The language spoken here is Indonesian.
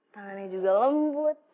tangannya juga lembut